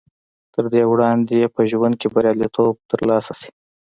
تر دې وړاندې چې په ژوند کې برياليتوب تر لاسه شي.